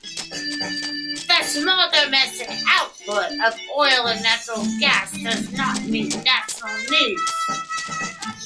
The small domestic output of oil and natural gas does not meet national needs.